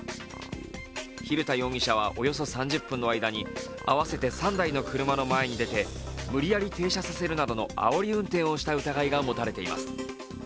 蛭田容疑者はおよそ３０分の間に合わせて３台の車の前に出て無理やり停車させるなどのあおり運転をした疑いが持たれています。